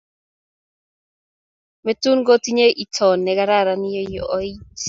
metuun kotinyei iton nekararan yeoit